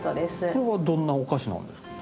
これはどんなお菓子なんですか？